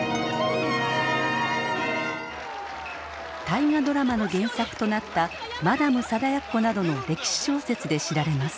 「大河ドラマ」の原作となった「マダム貞奴」などの歴史小説で知られます。